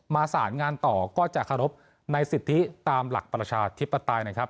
สารงานต่อก็จะเคารพในสิทธิตามหลักประชาธิปไตยนะครับ